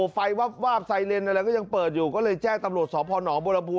ไฟวาบวาบไซเรนอะไรก็ยังเปิดอยู่ก็เลยแจ้งตำรวจสอบพ่อหนองบูรบู